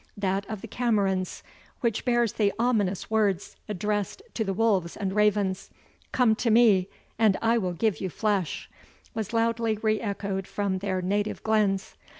That of the Camerons, which bears the ominous words, addressed to the wolves and ravens, "Come to me, and I will give you flesh," was loudly re echoed from their native glens.